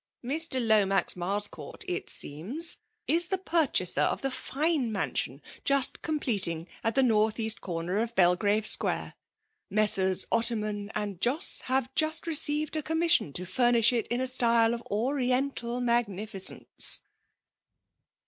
'*" Mr* Lomax Marscourt, it seems, is the purchaser of the fine mansion just completing at the north east corner of Belgrave Square. Messrs* Ottoman and Jos have just received a commission to furnish it in a style of Oriental magnificence.